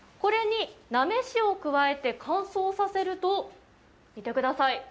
これになめしを加えて乾燥させると、見てください。